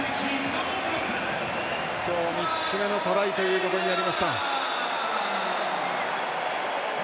今日、３つ目のトライということになりました。